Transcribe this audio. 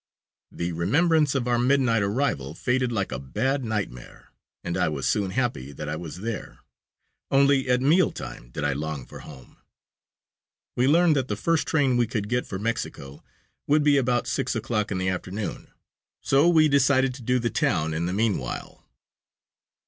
The remembrance of our midnight arrival faded like a bad nightmare, and I was soon happy that I was there; only at mealtime did I long for home. We learned that the first train we could get for Mexico would be about six o'clock in the afternoon, so we decided "to do" the town in the meanwhile.